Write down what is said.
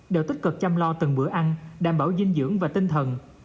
đều tích cực chăm lo từng bữa ăn đảm bảo dinh dưỡng và tinh thần